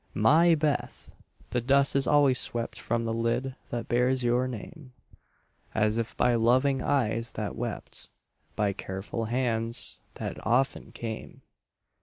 My Beth! the dust is always swept From the lid that bears your name, As if by loving eyes that wept, By careful hands that often came.